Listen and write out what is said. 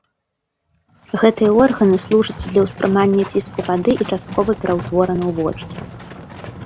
Гэтыя органы служаць для ўспрымання ціску вады і часткова пераўтвораны ў вочкі.